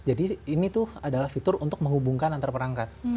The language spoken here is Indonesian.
jadi ini adalah fitur untuk menghubungkan antar perangkat